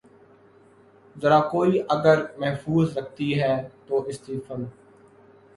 زرہ کوئی اگر محفوظ رکھتی ہے تو استغنا